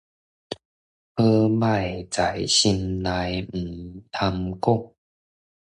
好䆀在心內，毋通講